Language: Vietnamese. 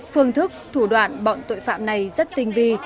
phương thức thủ đoạn bọn tội phạm này rất tinh vi